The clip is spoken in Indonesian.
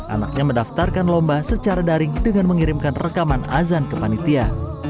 anaknya mendaftarkan lomba secara daring dengan mengirimkan rekaman azan ke panitia